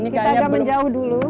kita agak menjauh dulu